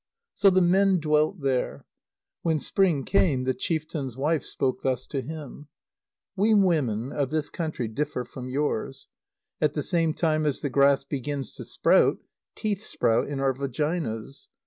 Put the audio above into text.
So the men dwelt there. When spring came, the chieftain's wife spoke thus to him: "We women of this country differ from yours. At the same time as the grass begins to sprout, teeth sprout in our vaginas.